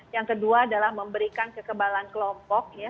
yang kedua adalah memberikan kekebalan kelompok ya